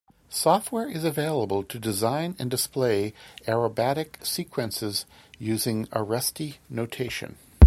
Software is available to design and display aerobatic sequences using Aresti notation.